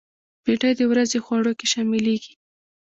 بېنډۍ د ورځې خوړو کې شاملېږي